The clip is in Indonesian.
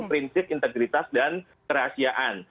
prinsip integritas dan kerahasiaan